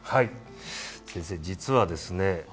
先生、実はですね